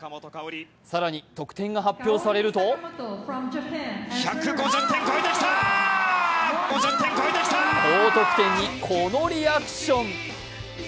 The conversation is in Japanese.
更に得点が発表されると高得点ゲットにこのリアクション。